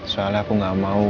soalnya aku gak mau